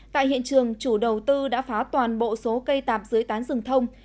tại hiện trường chủ đầu tư đã phá toàn bộ số cây tạp dưới tán rừng thông